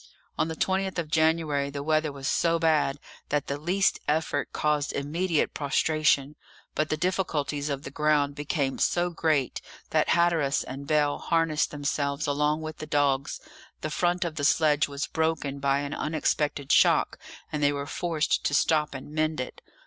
On the 20th of January the weather was so bad that the least effort caused immediate prostration; but the difficulties of the ground became so great that Hatteras and Bell harnessed themselves along with the dogs; the front of the sledge was broken by an unexpected shock, and they were forced to stop and mend it.